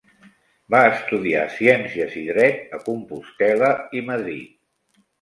Va estudiar ciències i dret a Compostel·la i Madrid.